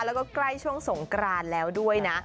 แล้วก็ใกล้ช่วงสงกรานแล้วด้วยนะ